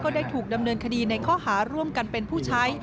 ได้ถูกดำเนินคดีในข้อหาร่วมกันเป็นผู้ใช้